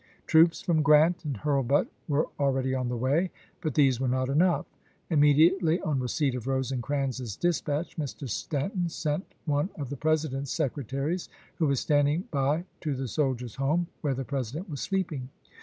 Troops from Grant and Hm^lbut were already on the way, but these were not enough. Immediately on re ceipt of Eosecrans's dispatch, Mr. Stanton sent one of the President's secretaries who was standing by to the Soldiers' Home, where the President was sleeping.